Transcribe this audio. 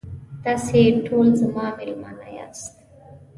تاسې ټول زما میلمانه یاست.